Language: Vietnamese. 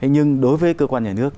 nhưng đối với cơ quan nhà nước